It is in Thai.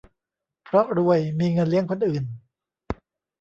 เพราะรวย มีเงินเลี้ยงคนอื่น